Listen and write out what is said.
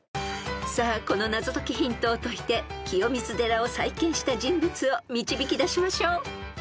［さあこの謎解きヒントを解いて清水寺を再建した人物を導き出しましょう］